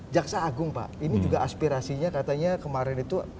jaksa agung pak ini juga aspirasinya katanya kemarin itu